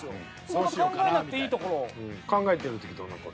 そんな考えなくていいところを。